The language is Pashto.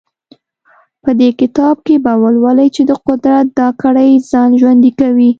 په دې کتاب کې به ولولئ چې د قدرت دا کړۍ ځان ژوندی کوي.